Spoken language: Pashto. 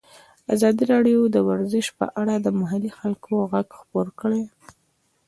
ازادي راډیو د ورزش په اړه د محلي خلکو غږ خپور کړی.